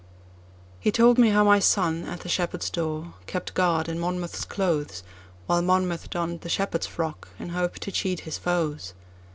He told how my son, at the shepherd's door, kept guard in Monmouth's clothes, While Monmouth donned the shepherd's frock, in hope to cheat his foes.